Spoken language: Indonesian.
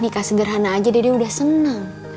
nikah sederhana aja dia udah senang